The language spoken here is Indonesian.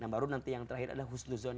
nah baru nanti yang terakhir adalah husnuzon